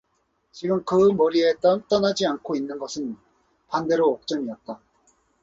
지금 그의 머리에 떠나지 않고 있는 것은 반대로 옥점이었다.